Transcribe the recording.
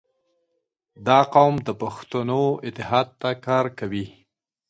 • دا قوم د پښتنو اتحاد ته کار کوي.